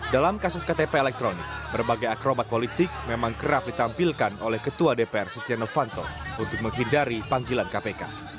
dalam kasus ktp elektronik berbagai akrobat politik memang kerap ditampilkan oleh ketua dpr setia novanto untuk menghindari panggilan kpk